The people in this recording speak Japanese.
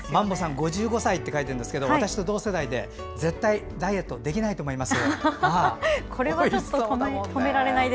５５歳って書いてあるんですけど私と同世代で絶対、ダイエットできないと思います。